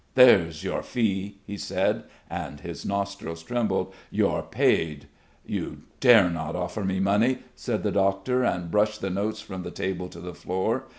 "There's your fee," he said, and his nostrils trembled. "You're paid." "You dare not offer me money," said the doctor, and brushed the notes from the table to the floor.